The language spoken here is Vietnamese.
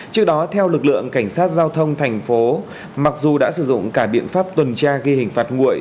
trước đó theo lực lượng cảnh sát giao thông thành phố mặc dù đã sử dụng cả biện pháp tuần tra ghi hình phạt nguội